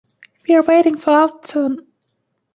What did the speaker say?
We’re waiting for out turn!